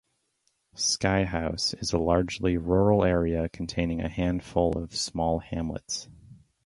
Sykehouse is a largely rural area containing a handful of small hamlets.